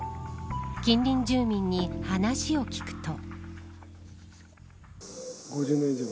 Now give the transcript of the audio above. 近隣住民に話を聞くと。